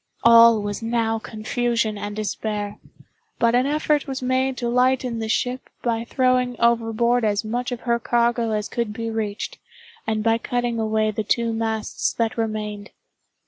All was now confusion and despair—but an effort was made to lighten the ship by throwing overboard as much of her cargo as could be reached, and by cutting away the two masts that remained.